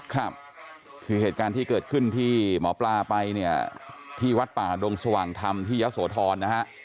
ครับคือเหตุการณ์ที่เกิดขึ้นที่หมอปลาไปเนี่ยที่วัดป่าดงสว่างธรรมที่ยะโสธรนะฮะ